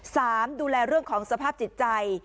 สามดูแลเรื่องของสภาพจิตใจ